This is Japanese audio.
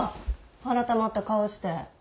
改まった顔して。